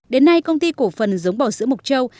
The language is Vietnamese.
đến nay công ty cổ phần giống bò sữa mộc châu